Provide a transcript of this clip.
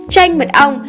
chanh mật ong